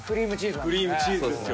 クリームチーズですよ